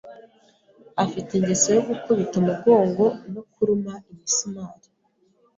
Afite ingeso yo gukubita umugongo no kuruma imisumari.